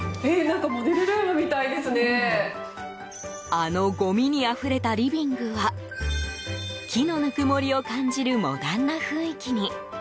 あの、ごみにあふれたリビングは木の温もりを感じるモダンな雰囲気に。